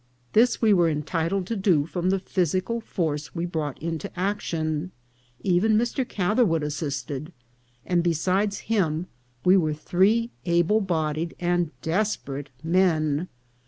This we were entitled to do from the physical force we brought into action. Even Mr. Catherwood assisted; and, besides him, we were three able bodied and des perate men.